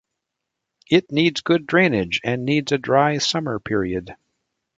It needs good drainage, and needs a dry summer period.